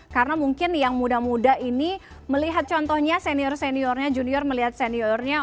karena mungkin yang muda muda ini melihat contohnya senior seniornya junior melihat seniornya